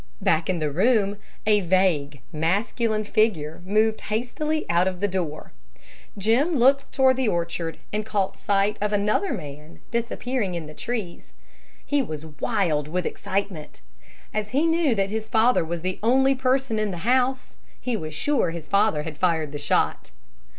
Back in the room, a vague masculine figure moved hastily out of the door. Jim looked toward the orchard, and caught sight of another man disappearing in the trees. He was wild with excitement. As he knew that his father was the only person in the house, he was sure that his father had fired the shot.